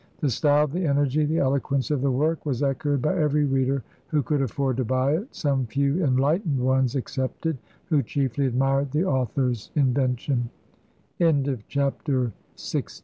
The style, the energy, the eloquence of the work was echoed by every reader who could afford to buy it some few enlightened ones excepted, who chiefly admired the author's invention. CHAPTER XVII.